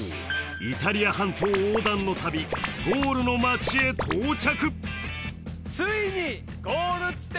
イタリア半島横断の旅ゴールの街へ到着！